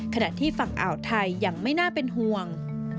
ขณะที่ฝั่งอ่าวไทยยังไม่น่าเป็นห่วง